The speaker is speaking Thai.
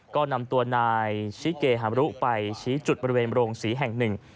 ก็นำตัวนายชิเกฮามรุไปชี้จุดบริเวณโรงศรีแห่งหนึ่ง